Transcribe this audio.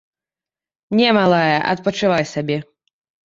Не, малая, адпачывай сабе.